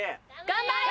頑張れ！